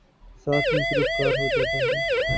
ساتھ ''مصروف کار" ہو جاتا ہے۔